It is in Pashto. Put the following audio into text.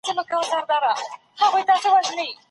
د پلار په نشتون کي د ماشوم جسم ولي صدمه ويني؟